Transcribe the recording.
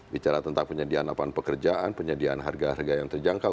bicara tentang penyediaan lapangan pekerjaan penyediaan harga harga yang terjangkau